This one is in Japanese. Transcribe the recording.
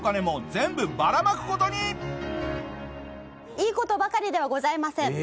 いい事ばかりではございません。